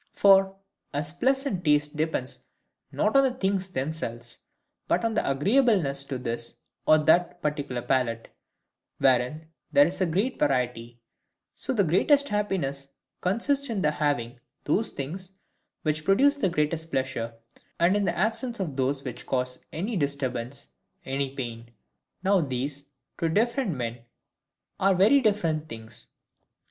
For, as pleasant tastes depend not on the things themselves, but on their agreeableness to this or that particular palate, wherein there is great variety; so the greatest happiness consists in the having those things which produce the greatest pleasure, and in the absence of those which cause any disturbance, any pain. Now these, to different men, are very different things.